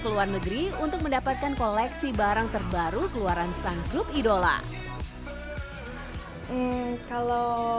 keluar negeri untuk mendapatkan koleksi barang terbaru keluaran signed grup idola the zoro untuk